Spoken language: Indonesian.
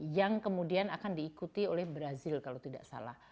yang kemudian akan diikuti oleh brazil kalau tidak salah